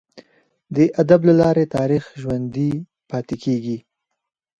د ادب له لاري تاریخ ژوندي پاته کیږي.